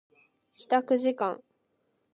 帰宅時間